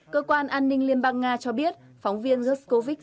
cơ quan an ninh liên bang nga cho biết phóng viên kukovic